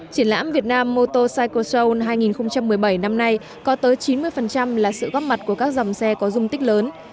triển lãm việt nam motocycle show hai nghìn một mươi bảy năm nay có tới chín mươi là sự góp mặt của các dòng xe có dung tích lớn